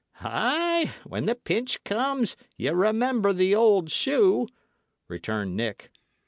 "Ay! when the pinch comes, ye remember the old shoe," returned Nick.